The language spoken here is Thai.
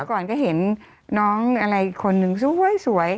ก่อนก็เห็นน้องอะไรอีกคนนึงสวย